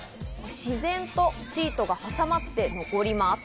自然とシートが挟まって残ります。